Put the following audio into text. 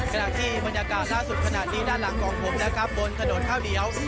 ขณะที่บรรยากาศล่าสุดขนาดนี้ด้านหลังของผมนะครับบนถนนข้าวเหนียว